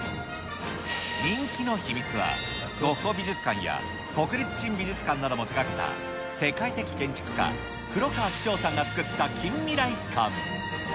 人気の秘密は、ゴッホ美術館や国立新美術館なども手がけた世界的建築家、黒川紀章さんが作った近未来感。